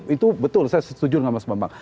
itu betul saya setuju dengan mas bambang